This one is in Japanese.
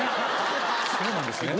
そうなんですね。